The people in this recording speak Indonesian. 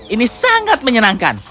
ini sangat menyenangkan